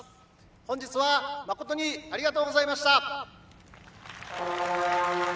本日はまことにありがとうございました。